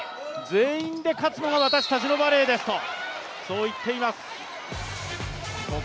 全員で勝つのが私たちのバレーですと、そう言っています。